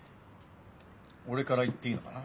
俺から言っていいのかな？